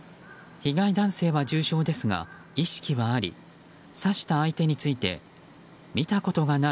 被害男性は重傷ですが意識はあり刺した相手について見たことがない